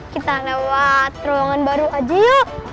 kita lewat ruangan baru aja yuk